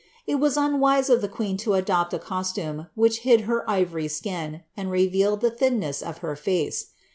It was unwise of the queen to adopt a costume which hid her ivory skin, and revealed the thinness of her fece.